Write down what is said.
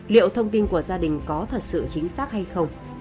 liệu thông tin của gia đình có thật sự chính xác hay không